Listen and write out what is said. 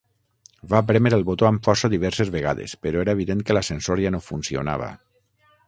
Va prémer el botó amb força diverses vegades, però era evident que l'ascensor ja no funcionava.